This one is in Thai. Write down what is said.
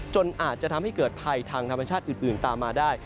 จนอาจจะทำให้เกิดภัยทางธรรมชาติอื่นตามมาได้